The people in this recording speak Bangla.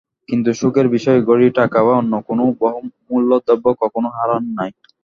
কিন্তু সুখের বিষয়, ঘড়ি টাকা বা অন্য কোনো বহুমূল্য দ্রব্য কখনো হারান নাই।